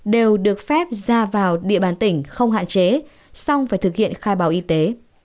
đều được phép ra vào địa bàn tỉnh không hạn chế xong phải thực hiện khai báo y tế